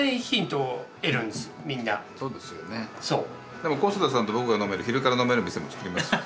でも小須田さんと僕が飲める昼から飲める店も作りますよ。